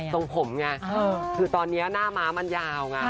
ตรงผมไงคือตอนนี้หน้าม้ามันยาวไง